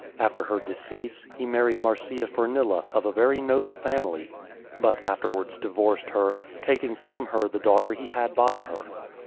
After her decease, he married Marcia Furnilla, of a very noble family, but afterwards divorced her, taking from her the daughter he had by her.